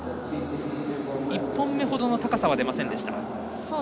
１本目ほどの高さは出ませんでした。